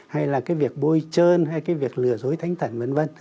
hay là cái việc bôi trơn hay cái việc lừa dối thánh thần vân vân